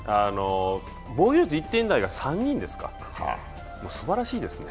防御率１点台が３人ですかすばらしいですね。